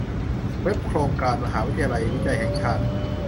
เว็บ โครงการมหาวิทยาลัยวิจัยแห่งชาติ